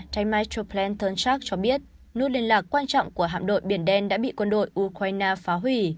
taymatuplan tunchak cho biết nút liên lạc quan trọng của hạm đội biển đen đã bị quân đội ukraine phá hủy